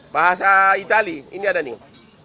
bahasa itali ini ada nih